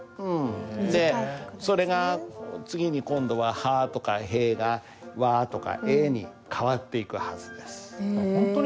でそれが次に今度は「は」とか「へ」が「わ」とか「え」に変わっていくはずです。